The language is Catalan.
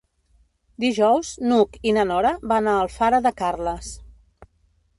Dijous n'Hug i na Nora van a Alfara de Carles.